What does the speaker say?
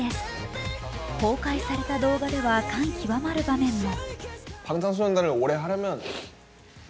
公開された動画では感極まる場面も。